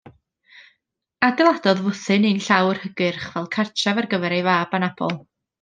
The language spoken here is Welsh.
Adeiladodd fwthyn un llawr hygyrch fel cartref ar gyfer ei fab anabl.